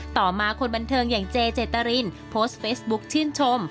ต่อมาคนบันเทิงอย่างเจเจตรินโพสต์เฟซบุ๊คชื่นชม